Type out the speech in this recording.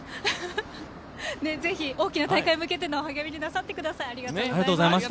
ぜひ大きな大会に向けての励みになさってください。